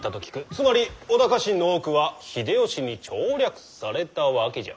つまり織田家臣の多くは秀吉に調略されたわけじゃ。